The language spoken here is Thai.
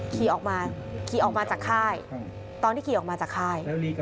ขี่ออกมาขี่ออกมาจากค่ายตอนที่ขี่ออกมาจากค่าย